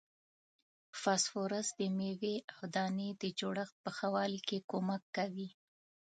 فاسفورس د میوې او دانې د جوړښت په ښه والي کې کومک کوي.